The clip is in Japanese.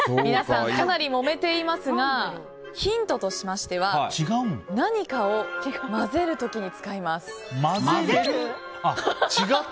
皆さんかなりもめていますがヒントとしましては何かを混ぜる時に使います。